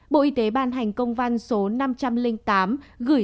bộ y tế ban hành công văn số năm trăm linh tám bộ y tế ban hành công văn số năm trăm linh tám